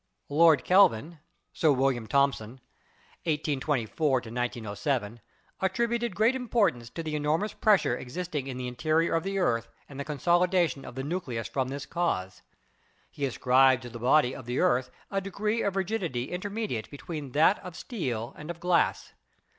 Lord Kelvin (Sir William Thomson) (1824 1907) at tributed great importance to the enormous pressure exist ing in the interior of the earth and the consolidation of the nucleus from this cause. He ascribed to the body of the earth a degree of rigidity intermediate between that of steel and of glass.